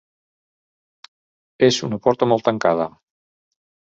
És una porta molt tancada.